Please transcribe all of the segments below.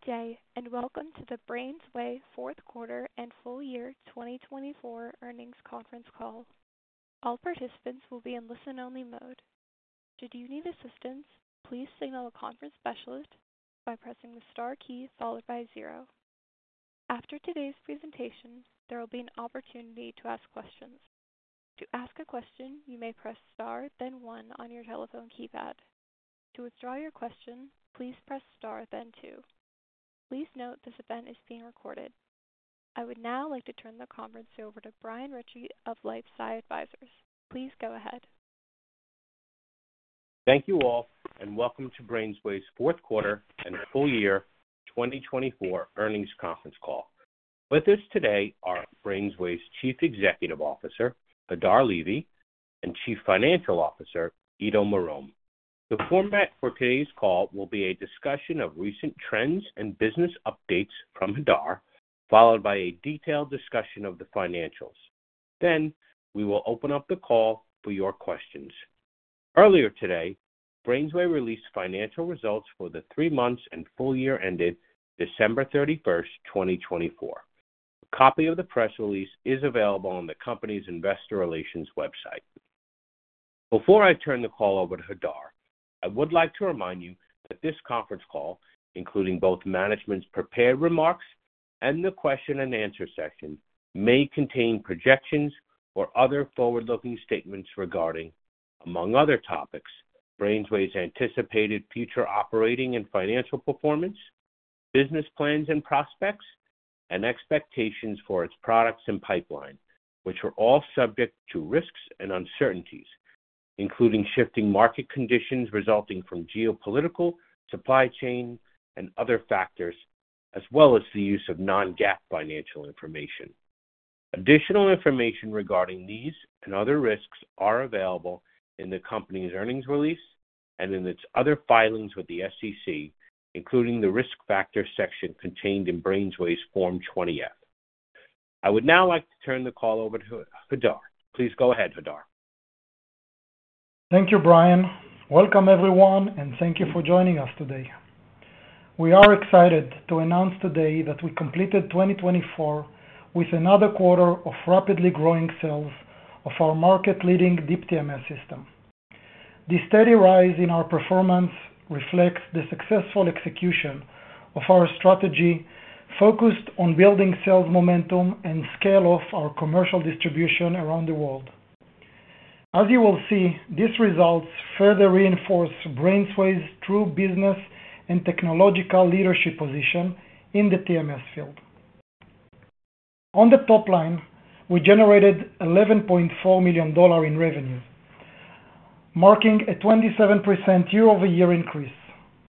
Good day, and welcome to the BrainsWay fourth quarter and full year 2024 earnings conference call. All participants will be in listen-only mode. Should you need assistance, please signal a conference specialist by pressing the star key followed by zero. After today's presentation, there will be an opportunity to ask questions. To ask a question, you may press star, then one on your telephone keypad. To withdraw your question, please press star, then two. Please note this event is being recorded. I would now like to turn the conference over to Brian Ritchie of LifeSci Advisors. Please go ahead. Thank you all, and welcome to BrainsWay's fourth quarter and full year 2024 earnings conference call. With us today are BrainsWay's Chief Executive Officer, Hadar Levy, and Chief Financial Officer, Ido Marom. The format for today's call will be a discussion of recent trends and business updates from Hadar, followed by a detailed discussion of the financials. We will open up the call for your questions. Earlier today, BrainsWay released financial results for the three months and full year ended December 31, 2024. A copy of the press release is available on the company's investor relations website. Before I turn the call over to Hadar, I would like to remind you that this conference call, including both management's prepared remarks and the question-and-answer session, may contain projections or other forward-looking statements regarding, among other topics, BrainsWay's anticipated future operating and financial performance, business plans and prospects, and expectations for its products and pipeline, which are all subject to risks and uncertainties, including shifting market conditions resulting from geopolitical, supply chain, and other factors, as well as the use of non-GAAP financial information. Additional information regarding these and other risks is available in the company's earnings release and in its other filings with the SEC, including the risk factor section contained in BrainsWay's Form 20-F. I would now like to turn the call over to Hadar. Please go ahead, Hadar. Thank you, Brian. Welcome, everyone, and thank you for joining us today. We are excited to announce today that we completed 2024 with another quarter of rapidly growing sales of our market-leading Deep TMS system. This steady rise in our performance reflects the successful execution of our strategy focused on building sales momentum and scale of our commercial distribution around the world. As you will see, these results further reinforce BrainsWay's true business and technological leadership position in the TMS field. On the top line, we generated $11.4 million in revenue, marking a 27% year-over-year increase.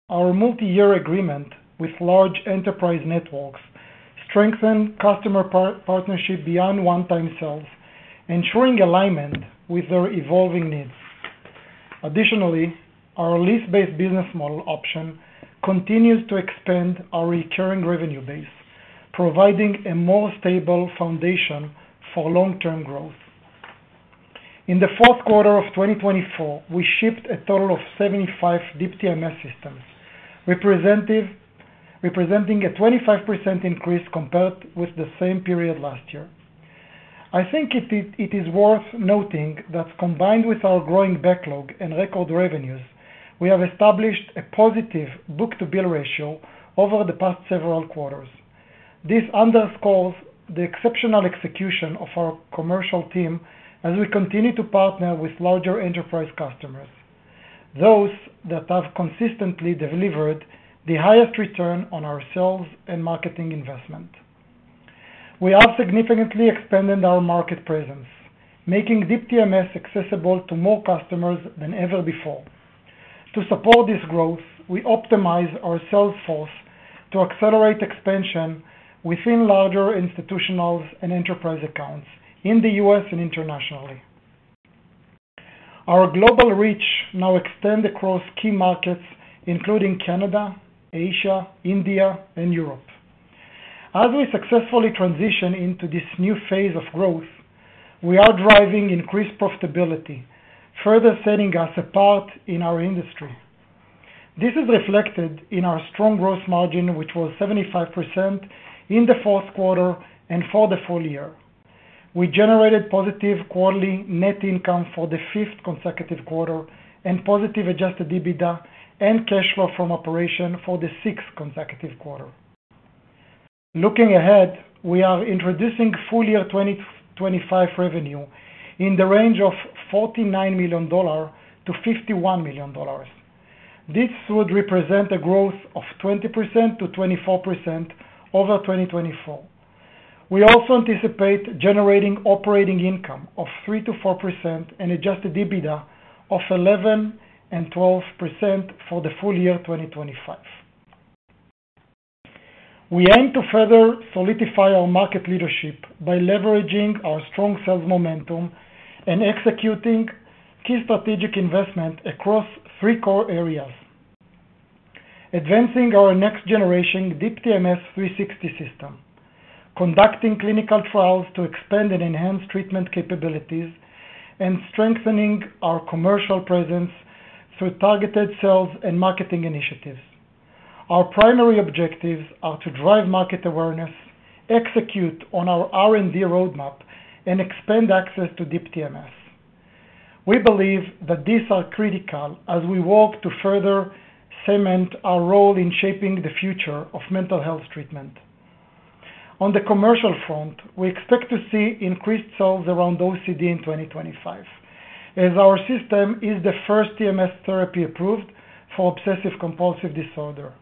Our multi-year agreement with large enterprise networks strengthened customer partnerships beyond one-time sales, ensuring alignment with their evolving needs. Additionally, our lease-based business model option continues to expand our recurring revenue base, providing a more stable foundation for long-term growth. In the fourth quarter of 2024, we shipped a total of 75 Deep TMS systems, representing a 25% increase compared with the same period last year. I think it is worth noting that, combined with our growing backlog and record revenues, we have established a positive book-to-bill ratio over the past several quarters. This underscores the exceptional execution of our commercial team as we continue to partner with larger enterprise customers, those that have consistently delivered the highest return on our sales and marketing investment. We have significantly expanded our market presence, making Deep TMS accessible to more customers than ever before. To support this growth, we optimized our sales force to accelerate expansion within larger institutional and enterprise accounts in the U.S. and internationally. Our global reach now extends across key markets, including Canada, Asia, India, and Europe. As we successfully transition into this new phase of growth, we are driving increased profitability, further setting us apart in our industry. This is reflected in our strong gross margin, which was 75% in the fourth quarter and for the full year. We generated positive quarterly net income for the fifth consecutive quarter and positive adjusted EBITDA and cash flow from operation for the sixth consecutive quarter. Looking ahead, we are introducing full year 2025 revenue in the range of $49 million-$51 million. This would represent a growth of 20%-24% over 2024. We also anticipate generating operating income of 3%-4% and adjusted EBITDA of 11%-12% for the full year 2025. We aim to further solidify our market leadership by leveraging our strong sales momentum and executing key strategic investment across three core areas: advancing our next-generation Deep TMS 360 system, conducting clinical trials to expand and enhance treatment capabilities, and strengthening our commercial presence through targeted sales and marketing initiatives. Our primary objectives are to drive market awareness, execute on our R&D roadmap, and expand access to Deep TMS. We believe that these are critical as we work to further cement our role in shaping the future of mental health treatment. On the commercial front, we expect to see increased sales around OCD in 2025, as our system is the first TMS therapy approved for obsessive-compulsive disorder.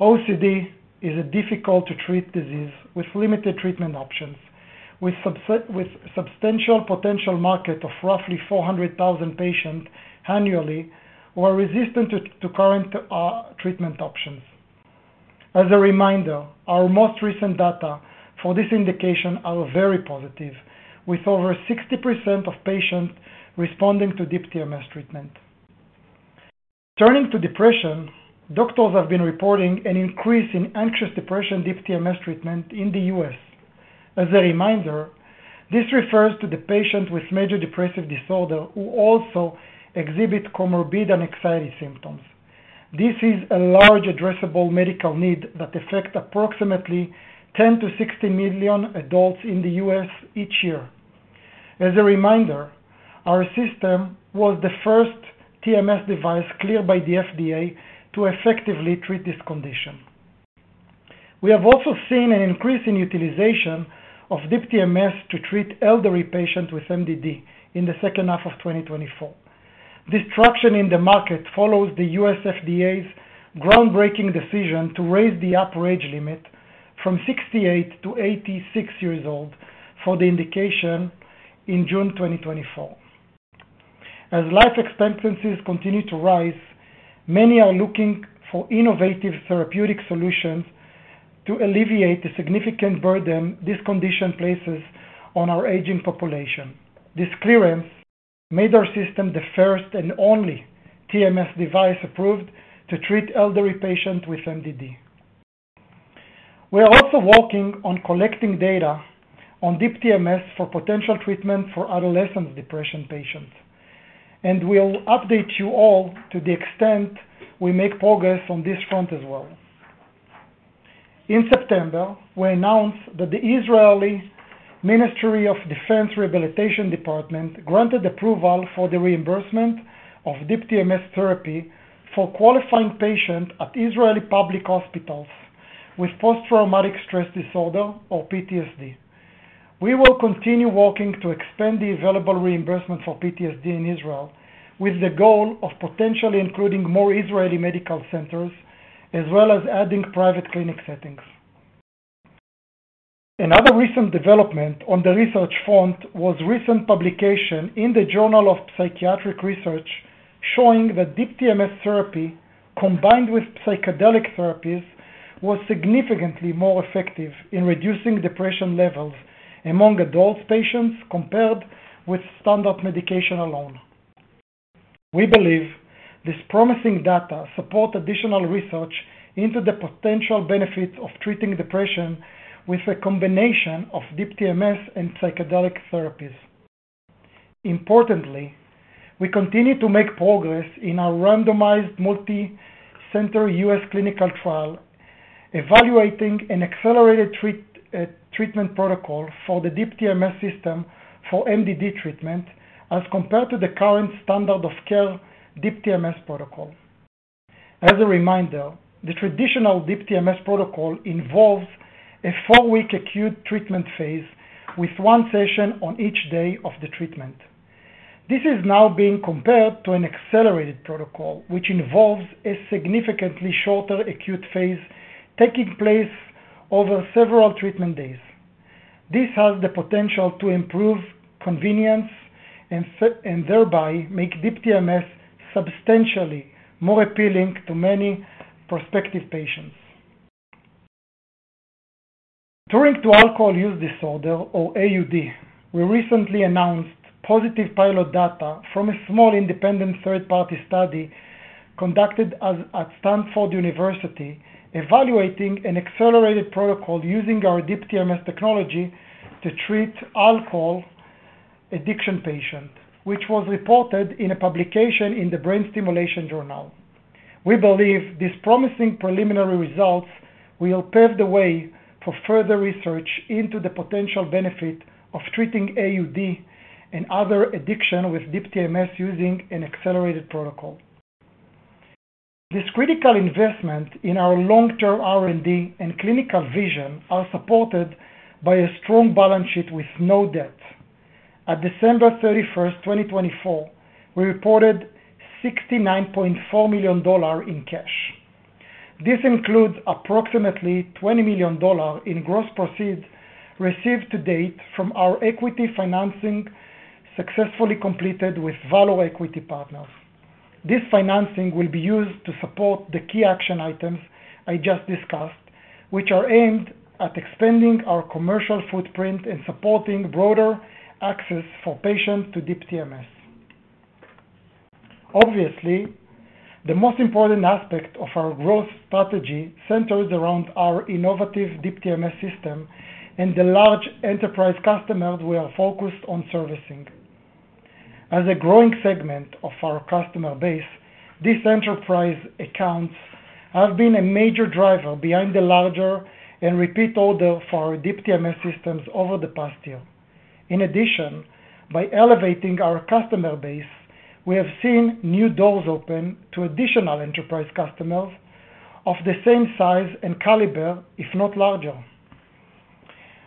OCD is a difficult-to-treat disease with limited treatment options, with a substantial potential market of roughly 400,000 patients annually who are resistant to current treatment options. As a reminder, our most recent data for this indication are very positive, with over 60% of patients responding to Deep TMS treatment. Turning to depression, doctors have been reporting an increase in anxious depression Deep TMS treatment in the U.S. As a reminder, this refers to the patient with major depressive disorder who also exhibit comorbid and anxiety symptoms. This is a large addressable medical need that affects approximately 10-16 million adults in the U.S. each year. As a reminder, our system was the first TMS device cleared by the FDA to effectively treat this condition. We have also seen an increase in utilization of Deep TMS to treat elderly patients with MDD in the second half of 2024. This traction in the market follows the U.S. FDA's groundbreaking decision to raise the upper age limit from 68 to 86 years old for the indication in June 2024. As life expectancies continue to rise, many are looking for innovative therapeutic solutions to alleviate the significant burden this condition places on our aging population. This clearance made our system the first and only TMS device approved to treat elderly patients with MDD. We are also working on collecting data on Deep TMS for potential treatment for adolescent depression patients, and we'll update you all to the extent we make progress on this front as well. In September, we announced that the Israeli Ministry of Defense Rehabilitation Department granted approval for the reimbursement of Deep TMS therapy for qualifying patients at Israeli public hospitals with post-traumatic stress disorder, or PTSD. We will continue working to expand the available reimbursement for PTSD in Israel, with the goal of potentially including more Israeli medical centers, as well as adding private clinic settings. Another recent development on the research front was a recent publication in the Journal of Psychiatric Research showing that Deep TMS therapy, combined with psychedelic therapies, was significantly more effective in reducing depression levels among adult patients compared with standard medication alone. We believe this promising data supports additional research into the potential benefits of treating depression with a combination of Deep TMS and psychedelic therapies. Importantly, we continue to make progress in our randomized multi-center U.S. clinical trial, evaluating an accelerated treatment protocol for the Deep TMS system for MDD treatment as compared to the current standard-of-care Deep TMS protocol. As a reminder, the traditional Deep TMS protocol involves a four-week acute treatment phase with one session on each day of the treatment. This is now being compared to an accelerated protocol, which involves a significantly shorter acute phase taking place over several treatment days. This has the potential to improve convenience and thereby make Deep TMS substantially more appealing to many prospective patients. Turning to alcohol use disorder, or AUD, we recently announced positive pilot data from a small independent third-party study conducted at Stanford University, evaluating an accelerated protocol using our Deep TMS technology to treat alcohol addiction patients, which was reported in a publication in the Brain Stimulation Journal. We believe these promising preliminary results will pave the way for further research into the potential benefit of treating AUD and other addictions with Deep TMS using an accelerated protocol. This critical investment in our long-term R&D and clinical vision is supported by a strong balance sheet with no debt. At December 31, 2024, we reported $69.4 million in cash. This includes approximately $20 million in gross proceeds received to date from our equity financing successfully completed with Valo Equity Partners. This financing will be used to support the key action items I just discussed, which are aimed at expanding our commercial footprint and supporting broader access for patients to Deep TMS. Obviously, the most important aspect of our growth strategy centers around our innovative Deep TMS system and the large enterprise customers we are focused on servicing. As a growing segment of our customer base, these enterprise accounts have been a major driver behind the larger and repeat order for our Deep TMS systems over the past year. In addition, by elevating our customer base, we have seen new doors open to additional enterprise customers of the same size and caliber, if not larger.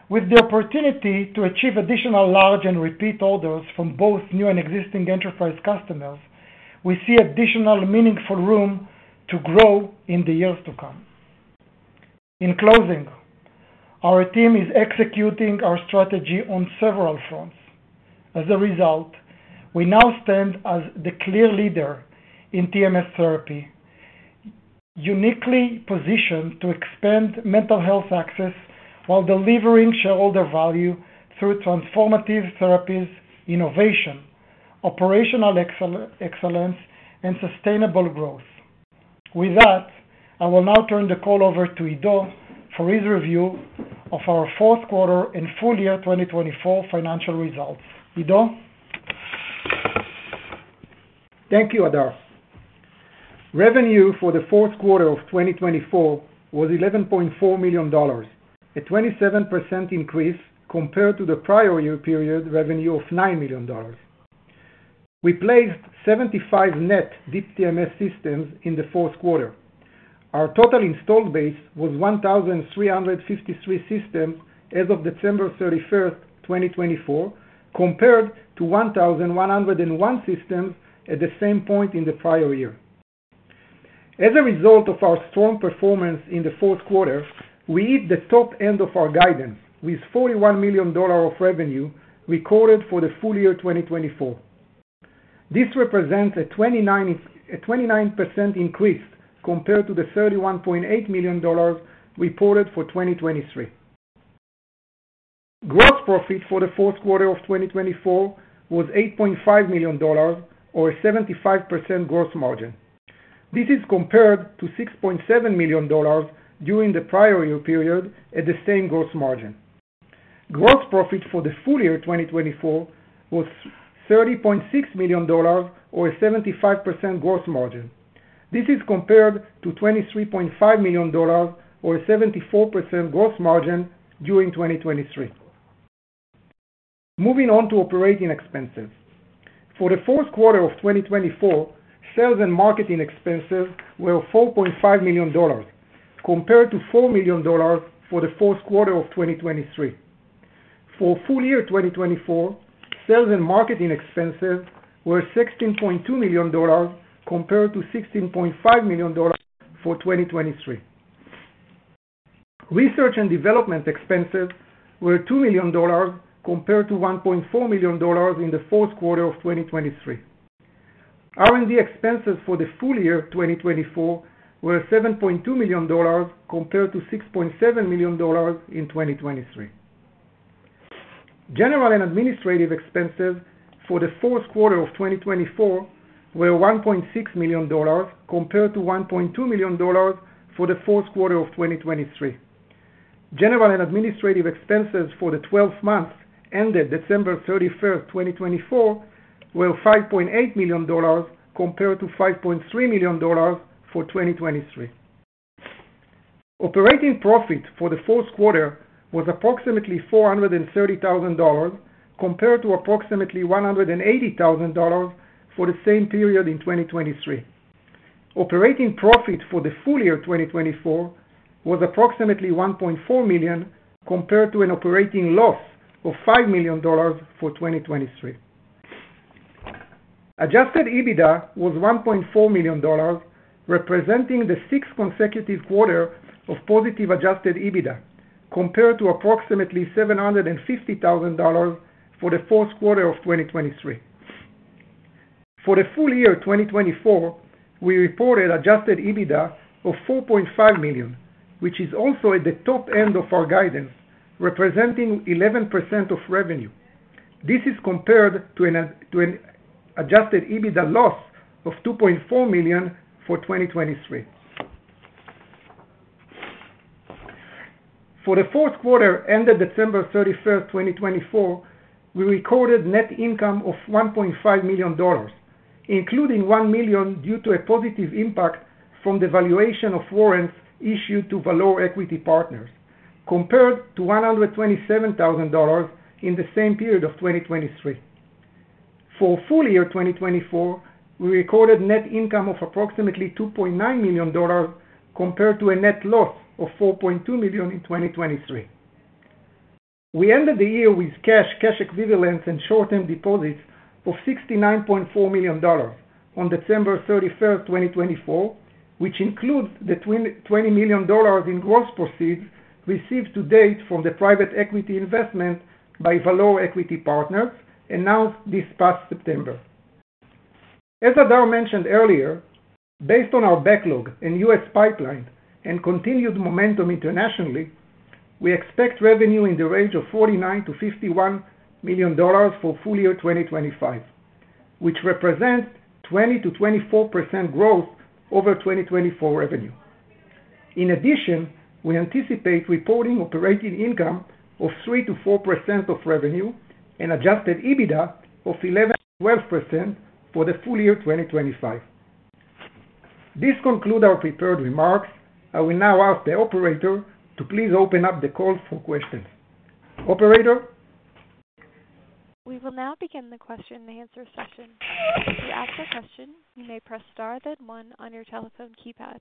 With the opportunity to achieve additional large and repeat orders from both new and existing enterprise customers, we see additional meaningful room to grow in the years to come. In closing, our team is executing our strategy on several fronts. As a result, we now stand as the clear leader in TMS therapy, uniquely positioned to expand mental health access while delivering shareholder value through transformative therapies, innovation, operational excellence, and sustainable growth. With that, I will now turn the call over to Ido for his review of our fourth quarter and full year 2024 financial results. Ido. Thank you, Hadar. Revenue for the fourth quarter of 2024 was $11.4 million, a 27% increase compared to the prior year period revenue of $9 million. We placed 75 net Deep TMS systems in the fourth quarter. Our total installed base was 1,353 systems as of December 31st, 2024, compared to 1,101 systems at the same point in the prior year. As a result of our strong performance in the fourth quarter, we hit the top end of our guidance with $41 million of revenue recorded for the full year 2024. This represents a 29% increase compared to the $31.8 million reported for 2023. Gross profit for the fourth quarter of 2024 was $8.5 million, or a 75% gross margin. This is compared to $6.7 million during the prior year period at the same gross margin. Gross profit for the full year 2024 was $30.6 million, or a 75% gross margin. This is compared to $23.5 million, or a 74% gross margin during 2023. Moving on to operating expenses. For the fourth quarter of 2024, sales and marketing expenses were $4.5 million, compared to $4 million for the fourth quarter of 2023. For full year 2024, sales and marketing expenses were $16.2 million, compared to $16.5 million for 2023. Research and development expenses were $2 million, compared to $1.4 million in the fourth quarter of 2023. R&D expenses for the full year 2024 were $7.2 million, compared to $6.7 million in 2023. General and administrative expenses for the fourth quarter of 2024 were $1.6 million, compared to $1.2 million for the fourth quarter of 2023. General and administrative expenses for the 12 months ended December 31, 2024, were $5.8 million, compared to $5.3 million for 2023. Operating profit for the fourth quarter was approximately $430,000, compared to approximately $180,000 for the same period in 2023. Operating profit for the full year 2024 was approximately $1.4 million, compared to an operating loss of $5 million for 2023. Adjusted EBITDA was $1.4 million, representing the sixth consecutive quarter of positive adjusted EBITDA, compared to approximately $750,000 for the fourth quarter of 2023. For the full year 2024, we reported adjusted EBITDA of $4.5 million, which is also at the top end of our guidance, representing 11% of revenue. This is compared to an adjusted EBITDA loss of $2.4 million for 2023. For the fourth quarter ended December 31, 2024, we recorded net income of $1.5 million, including $1 million due to a positive impact from the valuation of warrants issued to Valo Equity Partners, compared to $127,000 in the same period of 2023. For full year 2024, we recorded net income of approximately $2.9 million, compared to a net loss of $4.2 million in 2023. We ended the year with cash, cash equivalents, and short-term deposits of $69.4 million on December 31, 2024, which includes the $20 million in gross proceeds received to date from the private equity investment by Valo Equity Partners announced this past September. As Hadar mentioned earlier, based on our backlog and U.S. pipeline and continued momentum internationally, we expect revenue in the range of $49-$51 million for full year 2025, which represents 20%-24% growth over 2024 revenue. In addition, we anticipate reporting operating income of 3%-4% of revenue and adjusted EBITDA of 11%-12% for the full year 2025. This concludes our prepared remarks. I will now ask the operator to please open up the call for questions. Operator. We will now begin the question and answer session. To ask a question, you may press * then 1 on your telephone keypad.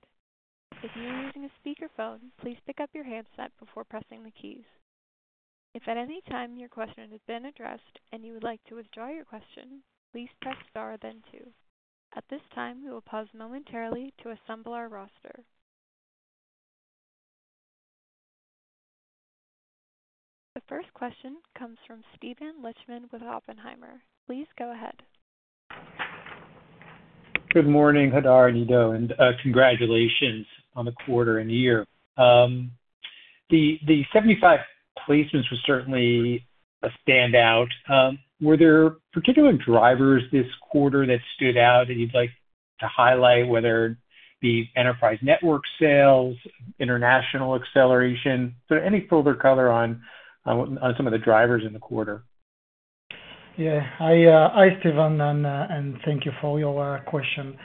If you are using a speakerphone, please pick up your handset before pressing the keys. If at any time your question has been addressed and you would like to withdraw your question, please press * then 2. At this time, we will pause momentarily to assemble our roster. The first question comes from Steven Lichtman with Oppenheimer. Please go ahead. Good morning, Hadar and Ido, and congratulations on the quarter and year. The 75 placements were certainly a standout. Were there particular drivers this quarter that stood out that you'd like to highlight, whether it be enterprise network sales, international acceleration, sort of any fuller color on some of the drivers in the quarter? Yeah. Hi, Steven, and thank you for your question.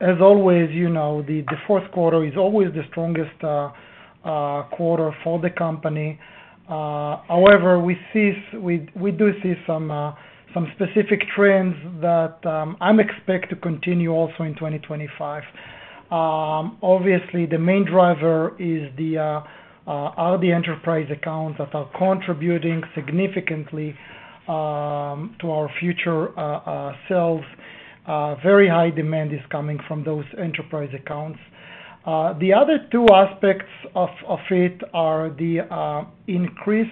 As always, the fourth quarter is always the strongest quarter for the company. However, we do see some specific trends that I'm expecting to continue also in 2025. Obviously, the main driver is the enterprise accounts that are contributing significantly to our future sales. Very high demand is coming from those enterprise accounts. The other two aspects of it are the increased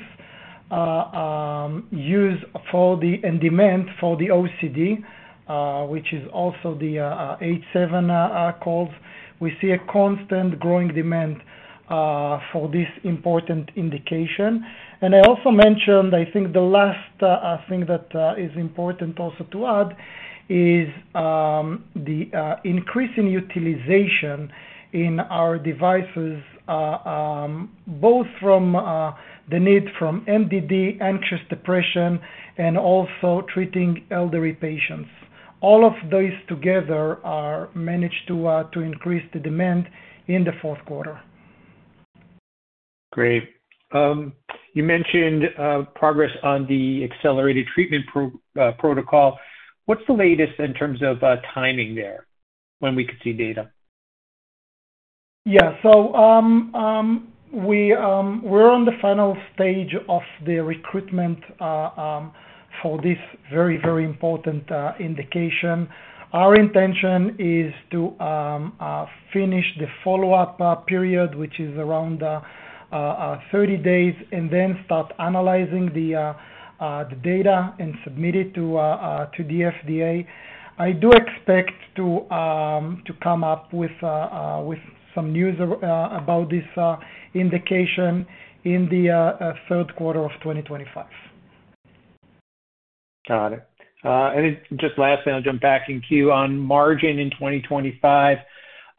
use and demand for the OCD, which is also the H7 coils. We see a constant growing demand for this important indication. I also mentioned, I think the last thing that is important also to add is the increasing utilization in our devices, both from the need from MDD, anxious depression, and also treating elderly patients. All of those together managed to increase the demand in the fourth quarter. Great. You mentioned progress on the accelerated treatment protocol. What's the latest in terms of timing there when we could see data? Yeah. We are on the final stage of the recruitment for this very, very important indication. Our intention is to finish the follow-up period, which is around 30 days, and then start analyzing the data and submit it to the FDA. I do expect to come up with some news about this indication in the third quarter of 2025. Got it. And then just lastly, I'll jump back into you on margin in 2025.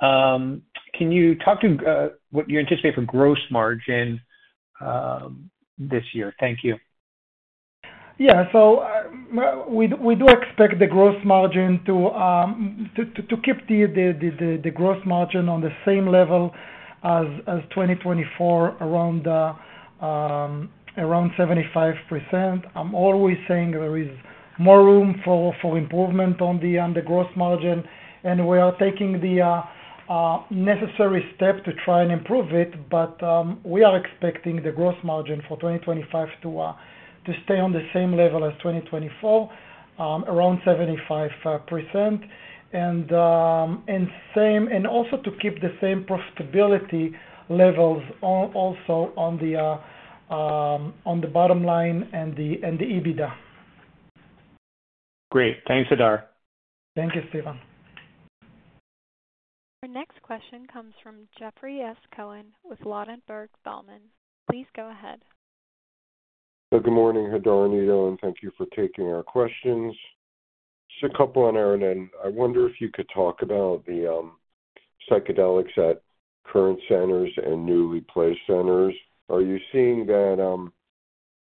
Can you talk to what you anticipate for gross margin this year? Thank you. Yeah. We do expect the gross margin to keep the gross margin on the same level as 2024, around 75%. I'm always saying there is more room for improvement on the gross margin, and we are taking the necessary step to try and improve it, but we are expecting the gross margin for 2025 to stay on the same level as 2024, around 75%, and also to keep the same profitability levels also on the bottom line and the EBITDA. Great. Thanks, Hadar. Thank you, Steven. Our next question comes from Jeffrey S. Cohen with Ladenburg Thalmann. Please go ahead. Good morning, Hadar and Ido, and thank you for taking our questions. Just a couple on our end. I wonder if you could talk about the psychedelics at current centers and newly placed centers. Are you seeing that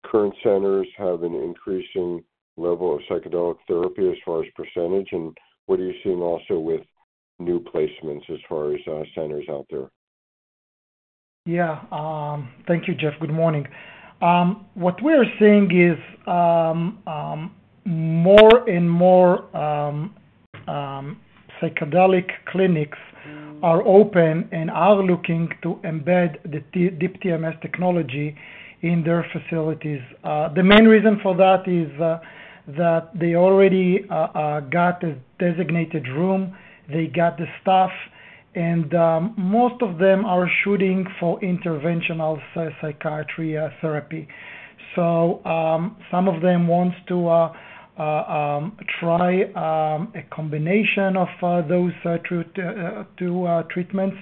current centers have an increasing level of psychedelic therapy as far as percentage, and what are you seeing also with new placements as far as centers out there? Yeah. Thank you, Jeff. Good morning. What we are seeing is more and more psychedelic clinics are open and are looking to embed the Deep TMS technology in their facilities. The main reason for that is that they already got a designated room, they got the staff, and most of them are shooting for interventional psychiatry therapy. Some of them want to try a combination of those two treatments,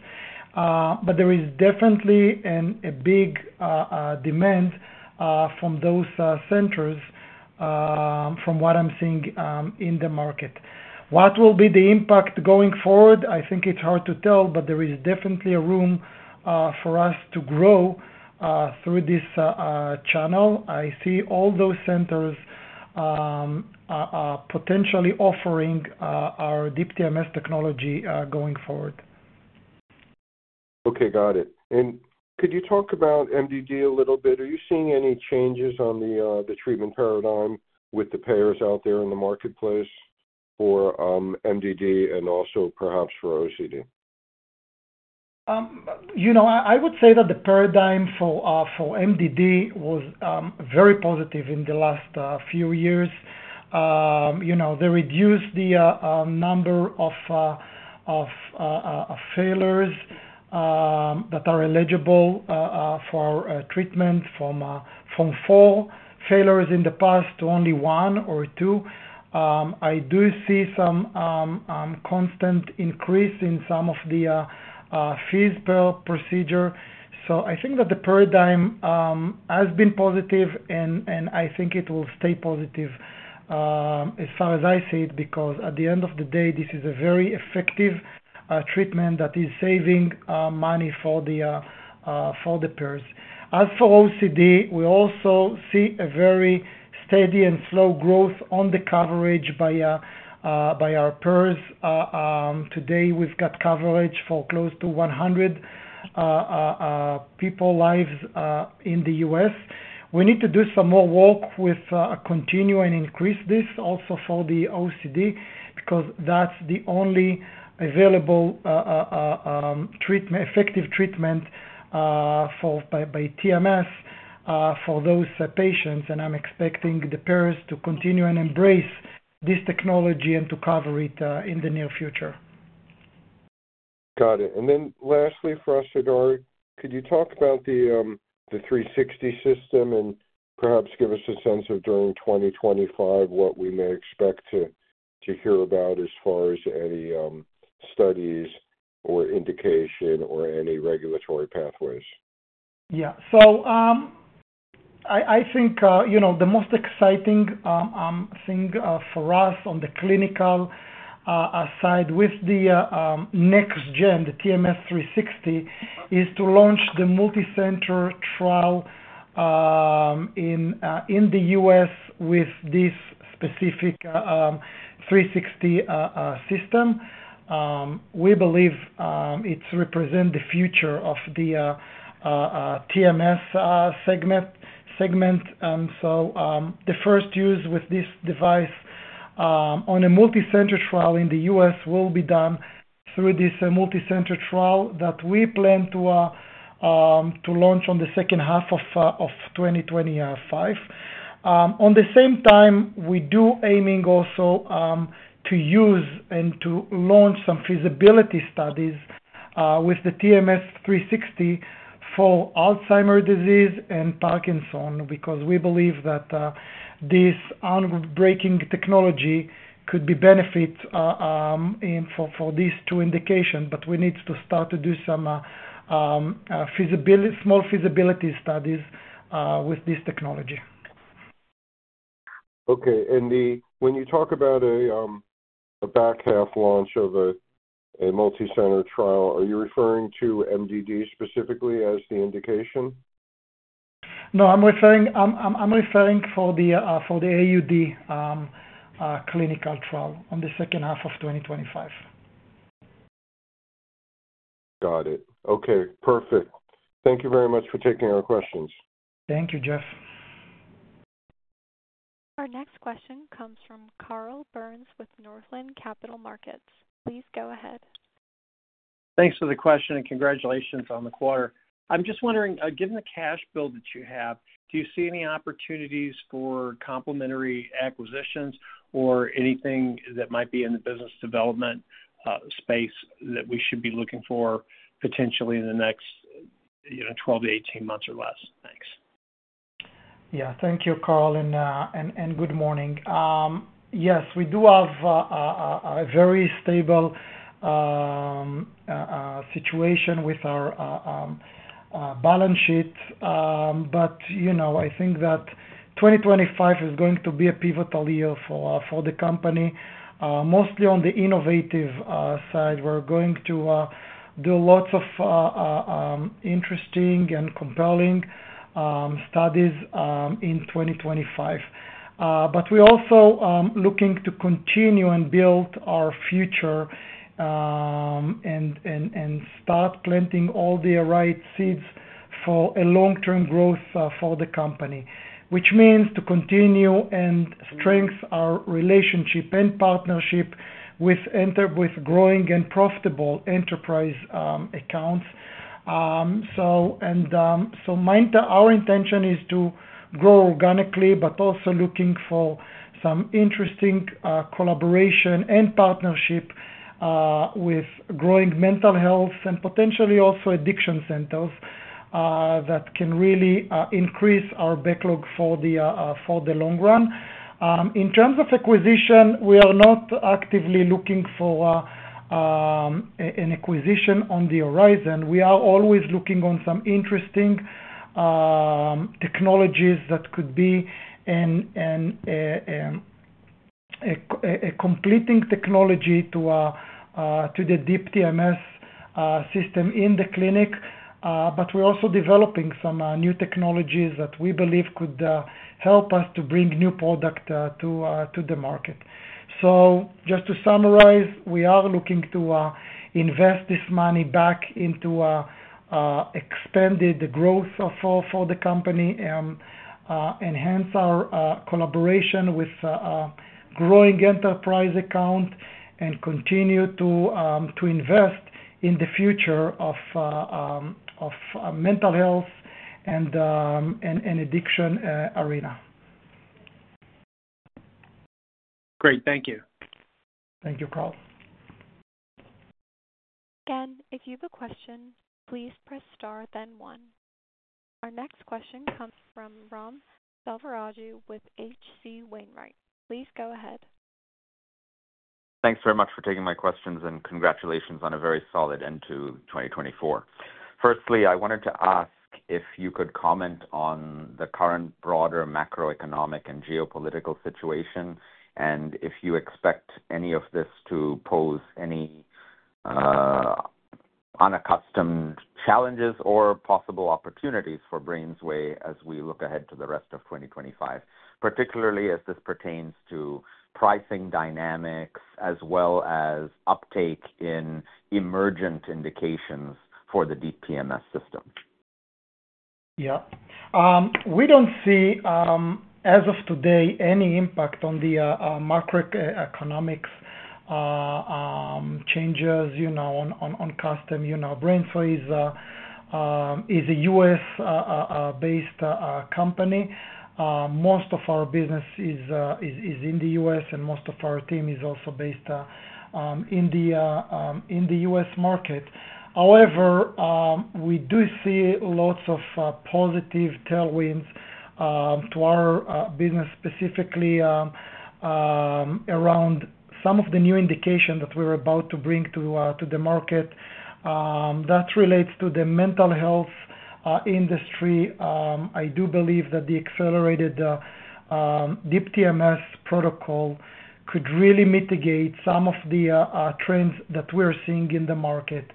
but there is definitely a big demand from those centers, from what I'm seeing in the market. What will be the impact going forward? I think it's hard to tell, but there is definitely a room for us to grow through this channel. I see all those centers potentially offering our Deep TMS technology going forward. Okay. Got it. Could you talk about MDD a little bit? Are you seeing any changes on the treatment paradigm with the payers out there in the marketplace for MDD and also perhaps for OCD? I would say that the paradigm for MDD was very positive in the last few years. They reduced the number of failures that are eligible for treatment from four failures in the past to only one or two. I do see some constant increase in some of the fees per procedure. I think that the paradigm has been positive, and I think it will stay positive as far as I see it because at the end of the day, this is a very effective treatment that is saving money for the payers. As for OCD, we also see a very steady and slow growth on the coverage by our payers. Today, we've got coverage for close to 100 people's lives in the U.S. We need to do some more work with continue and increase this also for the OCD because that's the only available effective treatment by TMS for those patients, and I'm expecting the payers to continue and embrace this technology and to cover it in the near future. Got it. Lastly, for us, Hadar, could you talk about the 360 system and perhaps give us a sense of during 2025 what we may expect to hear about as far as any studies or indication or any regulatory pathways? Yeah. I think the most exciting thing for us on the clinical side with the next-gen, the Deep TMS 360, is to launch the multicenter trial in the U.S. with this specific 360 system. We believe it represents the future of the TMS segment. The first use with this device on a multicenter trial in the U.S. will be done through this multicenter trial that we plan to launch in the second half of 2025. At the same time, we do aim also to use and to launch some feasibility studies with the Deep TMS 360 for Alzheimer's disease and Parkinson's because we believe that this groundbreaking technology could be benefit for these two indications, but we need to start to do some small feasibility studies with this technology. Okay. And when you talk about a back half launch of a multicenter trial, are you referring to MDD specifically as the indication? No, I'm referring for the AUD clinical trial on the second half of 2025. Got it. Okay. Perfect. Thank you very much for taking our questions. Thank you, Jeff. Our next question comes from Carl Byrnes with Northland Capital Markets. Please go ahead. Thanks for the question and congratulations on the quarter. I'm just wondering, given the cash build that you have, do you see any opportunities for complementary acquisitions or anything that might be in the business development space that we should be looking for potentially in the next 12 to 18 months or less? Thanks. Yeah. Thank you, Carl, and good morning. Yes, we do have a very stable situation with our balance sheet, but I think that 2025 is going to be a pivotal year for the company. Mostly on the innovative side, we're going to do lots of interesting and compelling studies in 2025. We are also looking to continue and build our future and start planting all the right seeds for a long-term growth for the company, which means to continue and strengthen our relationship and partnership with growing and profitable enterprise accounts. Our intention is to grow organically, but also looking for some interesting collaboration and partnership with growing mental health and potentially also addiction centers that can really increase our backlog for the long run. In terms of acquisition, we are not actively looking for an acquisition on the horizon. We are always looking on some interesting technologies that could be a completing technology to the Deep TMS system in the clinic, but we're also developing some new technologies that we believe could help us to bring new product to the market. Just to summarize, we are looking to invest this money back into expanded growth for the company and enhance our collaboration with growing enterprise account and continue to invest in the future of mental health and addiction arena. Great. Thank you. Thank you, Carl. Again, if you have a question, please press star, then one. Our next question comes from Ram Selvaraju with HC Wainwright. Please go ahead. Thanks very much for taking my questions and congratulations on a very solid end to 2024. Firstly, I wanted to ask if you could comment on the current broader macroeconomic and geopolitical situation and if you expect any of this to pose any unaccustomed challenges or possible opportunities for BrainsWay as we look ahead to the rest of 2025, particularly as this pertains to pricing dynamics as well as uptake in emergent indications for the Deep TMS system. Yeah. We do not see, as of today, any impact on the macroeconomic changes on customers. BrainsWay is a U.S.-based company. Most of our business is in the U.S., and most of our team is also based in the U.S. market. However, we do see lots of positive tailwinds to our business, specifically around some of the new indications that we're about to bring to the market that relates to the mental health industry. I do believe that the accelerated Deep TMS protocol could really mitigate some of the trends that we're seeing in the market.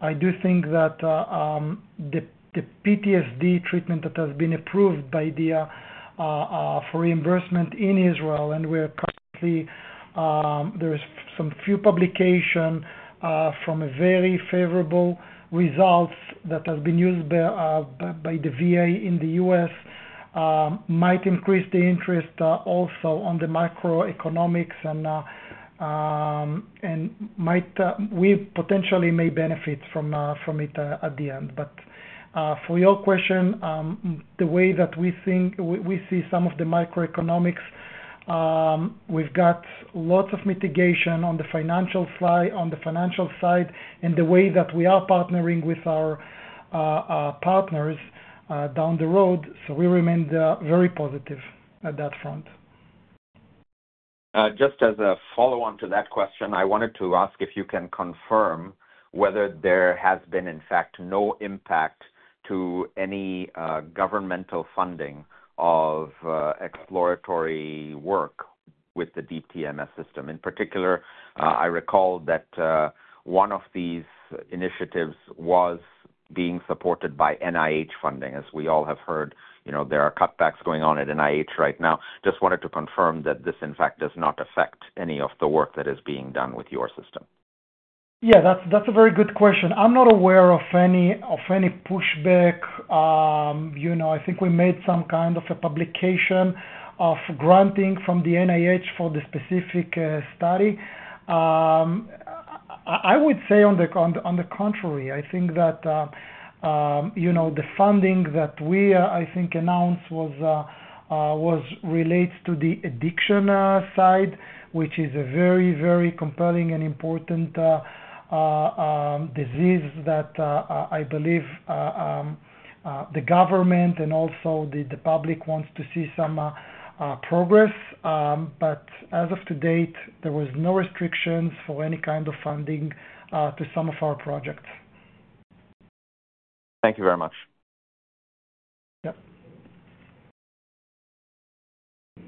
I do think that the PTSD treatment that has been approved for reimbursement in Israel, and where currently there are some few publications from very favorable results that have been used by the VA in the U.S. might increase the interest also on the macroeconomics and we potentially may benefit from it at the end. For your question, the way that we see some of the macroeconomics, we've got lots of mitigation on the financial side and the way that we are partnering with our partners down the road. We remain very positive at that front. Just as a follow-on to that question, I wanted to ask if you can confirm whether there has been, in fact, no impact to any governmental funding of exploratory work with the Deep TMS system. In particular, I recall that one of these initiatives was being supported by NIH funding. As we all have heard, there are cutbacks going on at NIH right now. Just wanted to confirm that this, in fact, does not affect any of the work that is being done with your system. Yeah, that's a very good question. I'm not aware of any pushback. I think we made some kind of a publication of granting from the NIH for the specific study. I would say, on the contrary, I think that the funding that we, I think, announced was related to the addiction side, which is a very, very compelling and important disease that I believe the government and also the public wants to see some progress. As of today, there were no restrictions for any kind of funding to some of our projects. Thank you very much. Yep.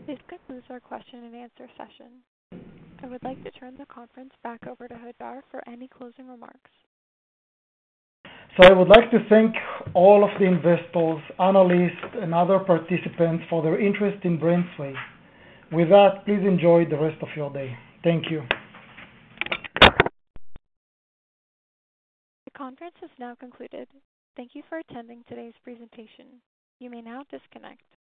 We have concluded our question and answer session. I would like to turn the conference back over to Hadar for any closing remarks. I would like to thank all of the investors, analysts, and other participants for their interest in BrainsWay. With that, please enjoy the rest of your day. Thank you. The conference has now concluded. Thank you for attending today's presentation. You may now disconnect.